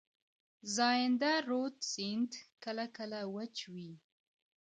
زاینده رود سیند کله کله وچ وي.